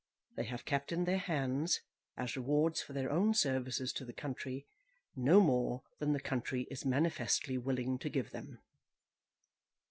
They have kept in their hands, as rewards for their own services to the country, no more than the country is manifestly willing to give them.